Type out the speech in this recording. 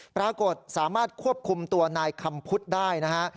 ปรากฏสามารถควบคุมตัวนายคำพุทธได้นะฮะ